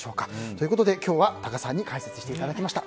ということで、今日は多賀さんに解説していただきました。